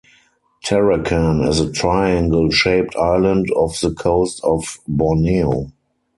Tarakan is a triangle shaped island off the coast of Borneo.